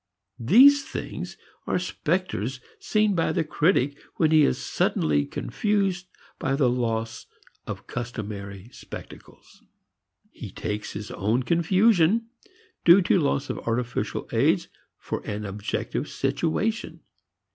These things are specters seen by the critic when he is suddenly confused by the loss of customary spectacles. He takes his own confusion due to loss of artificial aids for an objective situation.